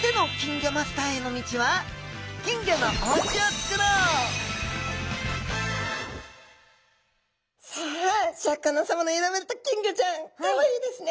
続いてのさあシャーク香音さまの選ばれた金魚ちゃんかわいいですね。